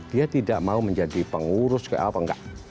dia tidak mau menjadi pengurus apa enggak